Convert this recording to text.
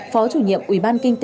phó chủ nhiệm ubk